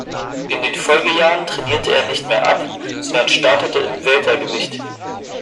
In den Folgejahren trainierte er nicht mehr ab, sondern startete im Weltergewicht.